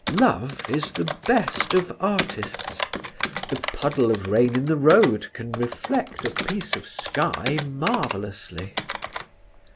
Love is the best of artists; the puddle of rain in the road can reflect a piece of sky marvellously.